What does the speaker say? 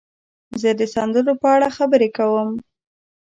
زه د سندرو په اړه خبرې کوم.